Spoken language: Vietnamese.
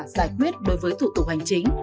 giải quyết đối với thủ tục hành chính